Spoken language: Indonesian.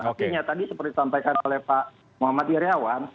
akhirnya tadi seperti disampaikan oleh pak muhammad yaryawan